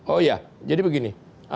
oh iya jadi begini